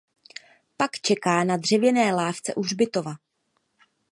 Pak čeká na dřevěné lávce u hřbitova.